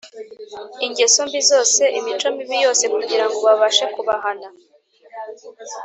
ingeso mbi zose, imico mibi yose kugira ngo babashe kubahana ,